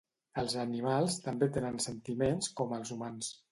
Els animals també tenen sentiments com els humans.